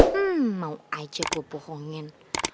hmm mau aja gue bohongin